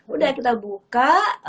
udah kita buka